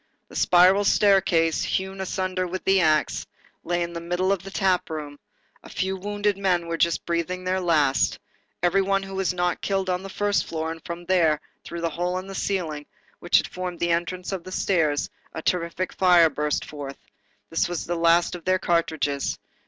The spiral staircase, hewn asunder with the axe, lay in the middle of the tap room, a few wounded men were just breathing their last, every one who was not killed was on the first floor, and from there, through the hole in the ceiling, which had formed the entrance of the stairs, a terrific fire burst forth. It was the last of their cartridges.